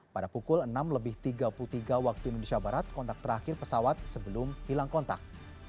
pada pukul enam lebih tiga puluh tiga waktu indonesia barat kontak terakhir pesawat sebelum hilang kontak